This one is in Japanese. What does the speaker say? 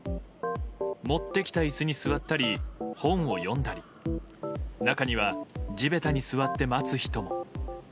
持ってきた椅子に座ったり本を読んだり中には、地べたに座って待つ人も。